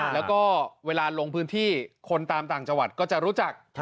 แล้วก็เวลาลงพื้นที่คนตามต่างจังหวัดก็จะรู้จัก